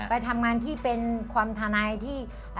ไปทำงานที่เป็นความทนายที่